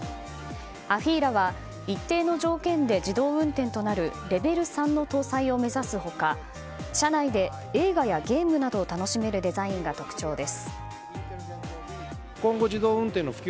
ＡＦＥＥＬＡは一定の条件で自動運転となるレベル３の搭載を目指す他車内で映画やゲームなどを楽しめるデザインが特徴です。